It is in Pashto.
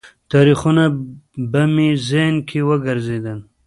تاریخونه به مې ذهن کې وګرځېدل.